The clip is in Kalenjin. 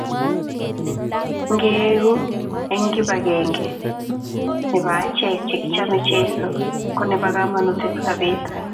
ngeegu eng kip akenge nebo achek chekichame cheso ko nebo kamangut eng sabet